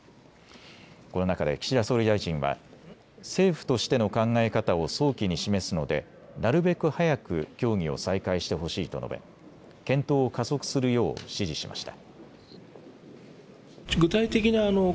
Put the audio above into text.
この中で岸田総理大臣は政府としての考え方を早期に示すのでなるべく早く協議を再開してほしいと述べ検討を加速するよう指示しました。